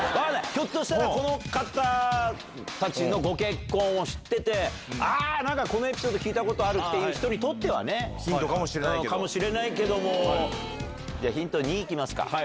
ひょっとしたら、この方たちのご結婚を知ってて、あー、なんかこのエピソード聞いたことあるっていう人にとってはね。かもしれないけれども、じゃあ、ヒント２いきますか。